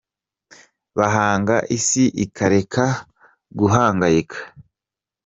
Bahanga Isi ikareka guhangayika